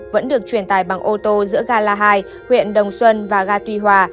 vẫn được truyền tải bằng ô tô giữa gà la hai huyện đồng xuân và gà tuy hòa